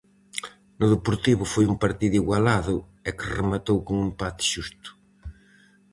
No deportivo foi un partido igualado e que rematou cun empate xusto.